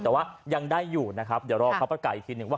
แต่ว่ายังได้อยู่นะครับเดี๋ยวรอเขาประกาศอีกทีหนึ่งว่า